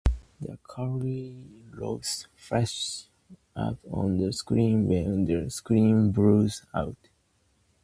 The "Casualty" logo flashes up on the screen when the screen blurs out.